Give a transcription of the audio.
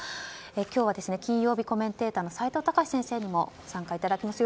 今日は金曜日コメンテーターの齋藤孝先生にも参加いただきます。